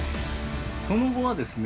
その後はですね